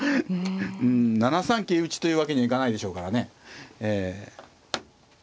７三桂打というわけにはいかないでしょうからね。